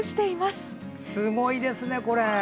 すごいですね、これ。